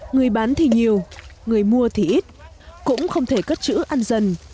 người bán thì nhiều người mua thì ít cũng không thể cất chữ ăn dần